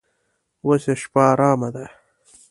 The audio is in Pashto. اوس یې شپه ارامه ده.